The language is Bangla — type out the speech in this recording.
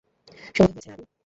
সময় হয়েছে, নারু।